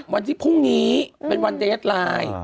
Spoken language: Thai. วันที่พรุ่งนี้เป็นวันเดสไลน์